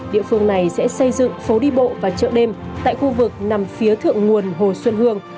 địa phương này sẽ xây dựng phố đi bộ và chợ đêm tại khu vực nằm phía thượng nguồn hồ xuân hương